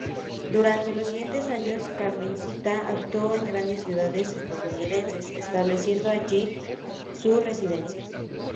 Durante los siguiente años, Carmencita actuó en grandes ciudades estadounidenses, estableciendo allí su residencia.